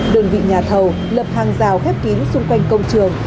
đơn vị nhà thầu lập hàng rào khép kín xung quanh công trường